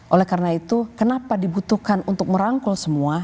oleh karena itu kenapa dibutuhkan untuk merangkul semua